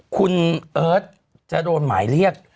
คุณเอิร์ทจะโดนหมายเรียกอะไรบ้าง